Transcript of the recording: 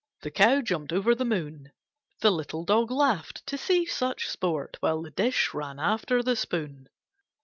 The cow jumped over the moon; The little dog laughed To see such sport. While the dish ran after the spoon.